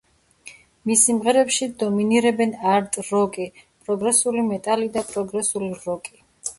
მის სიმღერებში დომინირებენ არტ-როკი, პროგრესული მეტალი და პროგრესული როკი.